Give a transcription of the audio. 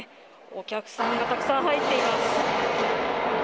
お客さん、たくさん入っています。